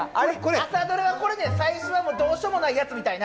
「朝ドラ」はこれね最初はもうどうしようもないやつみたいな。